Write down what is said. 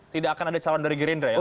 tidak akan ada calon dari gerindra ya